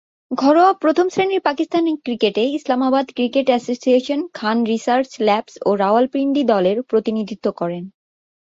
ঘরোয়া প্রথম-শ্রেণীর পাকিস্তানি ক্রিকেটে Islamabad cricket association, Khan research labs ও রাওয়ালপিন্ডি দলের প্রতিনিধিত্ব করেন।